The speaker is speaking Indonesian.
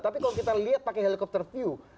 tapi kalau kita lihat pakai helikopter view